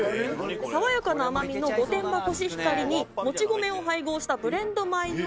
爽やかな甘みの御殿場コシヒカリにもち米を配合したブレンド米を。